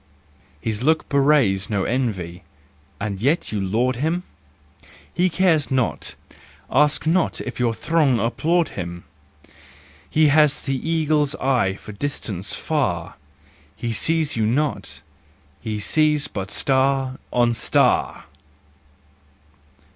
His look bewrays no envy: and ye laud him ? He cares not, asks not if your throng applaud him! He has the eagle's eye for distance far, He sees you not, he sees but star on star!